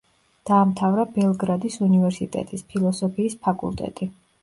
დაამთავრა ბელგრადის უნივერსიტეტის, ფილოსოფიის ფაკულტეტი.